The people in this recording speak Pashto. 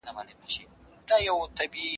که ټول کار وکړو هېواد به مو ژر اباد سي.